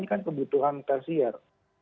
ini kan kebutuhan tersier